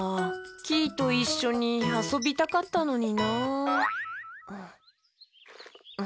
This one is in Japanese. キイといっしょにあそびたかったのになあ。